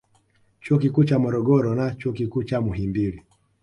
Chuo Kikuu cha Morogoro na Chuo Kikuu cha Muhimbili